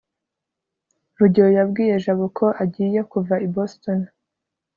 rugeyo yabwiye jabo ko agiye kuva i boston